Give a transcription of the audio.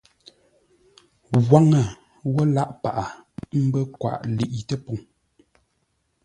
Waŋə wə́ lâʼ paghʼə, ə́ mbə́ kwaʼ ləiʼi tə́poŋ.